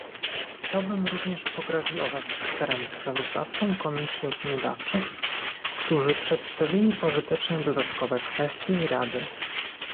Chciałbym również pogratulować czterem sprawozdawcom komisji opiniodawczych, którzy przedstawili pożyteczne dodatkowe kwestie i rady